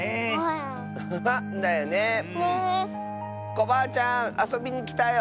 コバアちゃんあそびにきたよ！